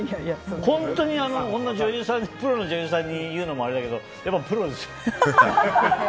こんなプロの女優さんに言うのもあれだけどやっぱりプロですね。